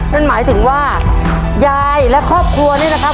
นั่นหมายถึงว่ายายและครอบครัวนี่นะครับ